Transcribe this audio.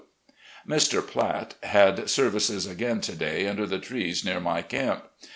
Mr. Platt had services again to day under the trees near my camp.